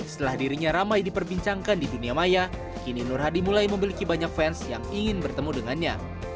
setelah dirinya ramai diperbincangkan di dunia maya kini nur hadi mulai memiliki banyak fans yang ingin bertemu dengannya